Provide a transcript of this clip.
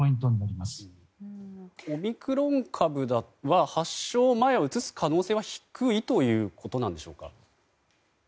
オミクロン株は発症前はうつす可能性は低いということなのでしょうか。